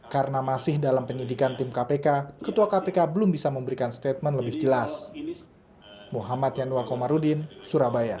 karena masih dalam penyidikan tim kpk ketua kpk belum bisa memberikan statement lebih jelas